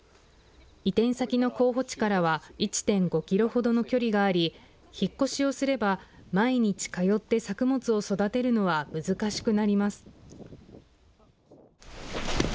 移転先の候補地からは１．５キロほどの距離があり引っ越しをすれば毎日、通って作物を育てるのは難しくなります。